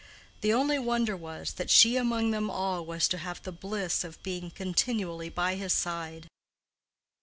The only wonder was, that she among them all was to have the bliss of being continually by his side.